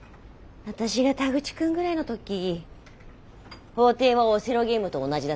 私が田口君ぐらいの時法廷はオセロゲームと同じだと思ってた。